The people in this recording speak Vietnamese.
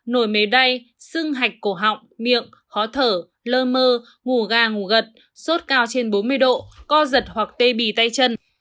nổi mế đay sưng hạch cổ họng miệng khó thở lơ mơ ngủ gà ngủ gật sốt cao trên bốn mươi độ co giật hoặc tê bì tay chân